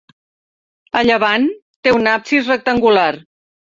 A llevant té un absis rectangular.